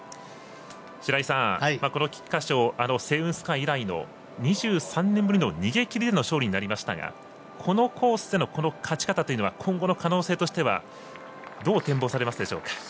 白井さん、この菊花賞セイウンスカイ以来の２３年ぶりの逃げきりでの勝利となりましたがこのコースでの勝ち方というのは今後の可能性としてはどう展望されますでしょうか？